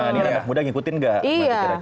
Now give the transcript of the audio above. ini anak muda ngikutin gak